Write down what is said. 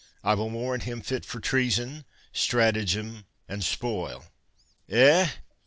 I will warrant him fit for treason, stratagem, and spoil— Eh?